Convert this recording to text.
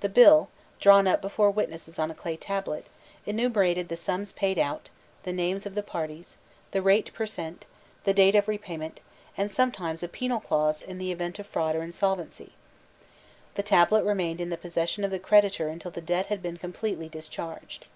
The bill, drawn up before witnesses on a clay tablet, enumerated the sums paid out, the names of the parties, the rate per cent., the date of repayment, and sometimes a penal clause in the event of fraud or insolvency; the tablet remained in the possession of the creditor until the debt had been completely discharged.